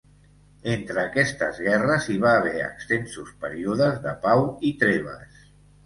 Entre aquestes guerres hi va haver extensos períodes de pau i treves.